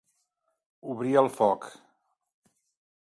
Obrir el foc.